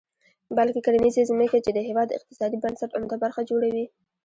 بلکې کرنیزې ځمکې، چې د هېواد د اقتصادي بنسټ عمده برخه جوړوي.